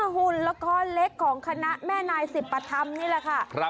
หุ่นละครเล็กของคณะแม่นายสิบประธรรมนี่แหละค่ะ